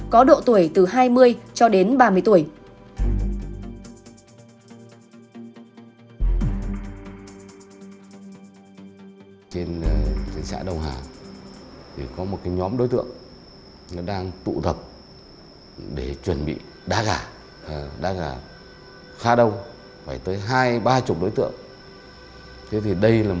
có độ tuổi từ hai mươi cho đến ba mươi tuổi